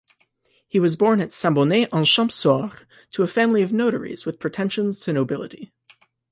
He was born at Saint-Bonnet-en-Champsaur, to a family of notaries with pretensions to nobility.